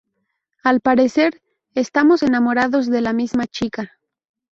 al parecer, estamos enamorados de la misma chica